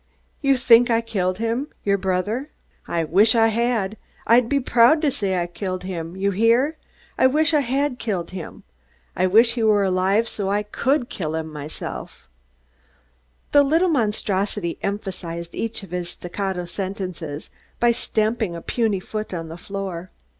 You think I killed him your brother? I wish I had. I'd be proud to say I killed him! You hear? I wish I had killed him. I wish he were alive so I could kill him." The little monstrosity emphasized each of his staccato sentences by stamping a puny foot on the floor.